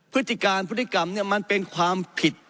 พฤติการพฤติกรรมมันเป็นความผิด